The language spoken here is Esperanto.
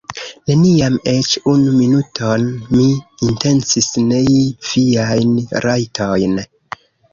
Neniam eĉ unu minuton mi intencis nei viajn rajtojn.